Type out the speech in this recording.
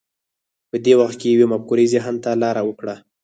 په دې وخت کې یوې مفکورې ذهن ته لار وکړه